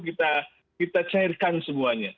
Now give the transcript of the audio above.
kita cairkan semuanya